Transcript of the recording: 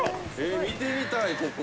「見てみたいここ」